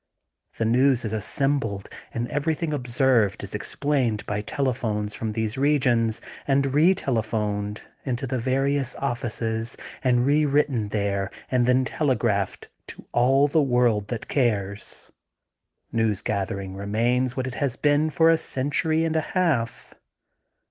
The news is assembled and everything observed is explained by telephones from these regions and re telephoned into the vari ous oflSces and rewritten there and then tele graphed to all the world that cares. News gathering remains what it has been for a cen tury and a half.